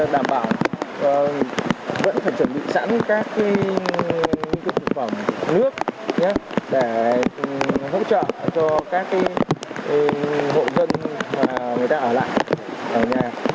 đảm bảo vẫn phải chuẩn bị sẵn các thực phẩm nước để hỗ trợ cho các hộ dân và người ta ở lại nhà